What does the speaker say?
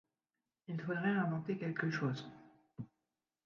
Il faudrait inventer quelque chose.